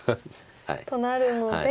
となるので。